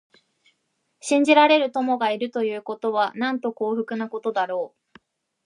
信じられる友がいるということは、なんと幸福なことだろう。